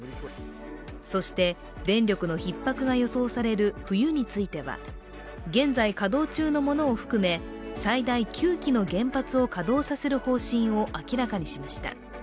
そして、電力のひっ迫が予想される冬については現在稼働中のものを含め最大９基の原発を稼働させる方針を明らかにしました。